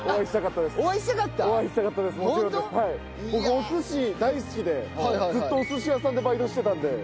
僕お寿司大好きでずっとお寿司屋さんでバイトしてたんで。